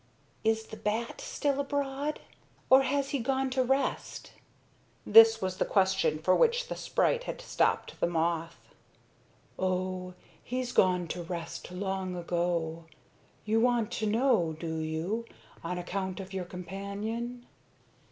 "Is the bat still abroad, or has he gone to rest?" This was the question for which the sprite had stopped the moth. "Oh, he's gone to rest long ago. You want to know, do you, on account of your companion?"